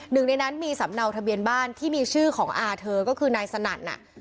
หนึ่งในนั้นมีสำเนาทะเบียนบ้านที่มีชื่อของอาเธอก็คือนายสนั่นน่ะ